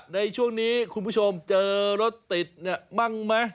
ในช่วงนี้คุณผู้ชมเจอรถติดบ้างไหม